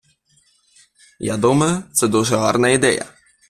Я думаю, це дуже гарна ідея.